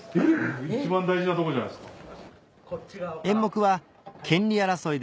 一番大事なとこじゃないっすか。